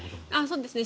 そうですね。